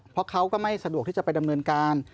เพราะเขาก็ไม่สะดวกที่จะไปดำเนินการ